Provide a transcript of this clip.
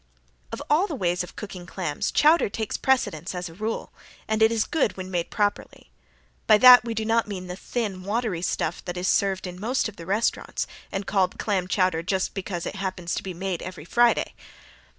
Of all the ways of cooking clams chowder takes precedence as a rule, and it is good when made properly. By that we do not mean the thin, watery stuff that is served in most of the restaurants and called clam chowder just because it happens to be made every Friday.